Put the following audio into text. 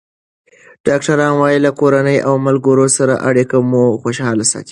ډاکټران وايي له کورنۍ او ملګرو سره اړیکه مو خوشحاله ساتي.